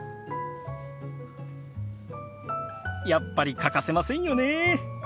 やっぱり欠かせませんよねえ。